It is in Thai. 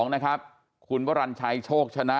นะครับคุณวรรณชัยโชคชนะ